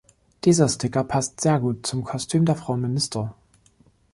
Dieser Sticker passt sehr gut zum Kostüm der Frau Minister.